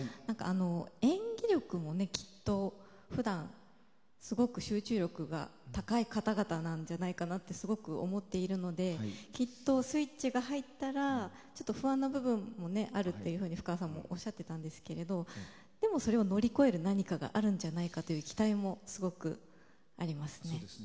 演技力も、きっと普段すごく集中力が高い方々なんじゃないかなとすごく思っているのできっとスイッチが入ったら不安な部分もあるとふかわさんもおっしゃっていたんですけどでもそれを乗り越える何かがあるんじゃないかという期待もすごくあります。